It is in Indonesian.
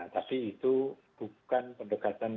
tapi itu bukan pendekatan